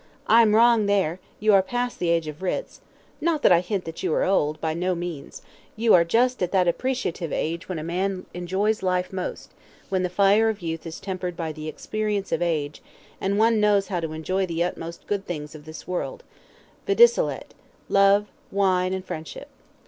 I am wrong there, you are past the age of writs not that I hint that you are old; by no means you are just at that appreciative age when a man enjoys life most, when the fire of youth is tempered by the experience of age, and one knows how to enjoy to the utmost the good things of this world, videlicet love, wine, and friendship.